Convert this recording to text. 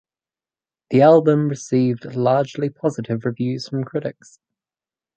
The album received largely positive reviews from critics.